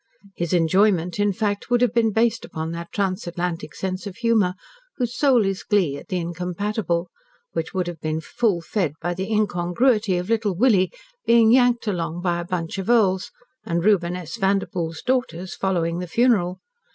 His enjoyment, in fact, would have been based upon that transatlantic sense of humour, whose soul is glee at the incompatible, which would have been full fed by the incongruity of "Little Willie being yanked along by a bunch of earls, and Reuben S. Vanderpoel's daughters following the funeral."